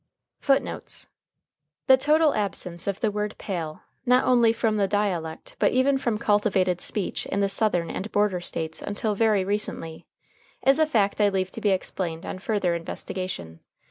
FOOTNOTES: [Footnote 23: The total absence of the word pail not only from the dialect, but even from cultivated speech in the Southern and Border States until very recently, is a fact I leave to be explained on further investigation.